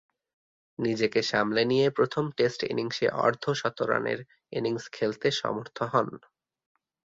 নিজেকে সামলে নিয়ে প্রথম টেস্ট ইনিংসে অর্ধ-শতরানের ইনিংস খেলতে সমর্থ হন।